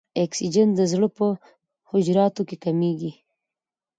اکسیجن د زړه په حجراتو کې کمیږي.